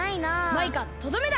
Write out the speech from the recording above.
マイカとどめだ！